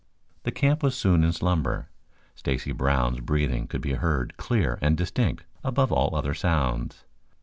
The camp was soon in slumber. Stacy Brown's breathing could be heard clear and distinct above all other sounds.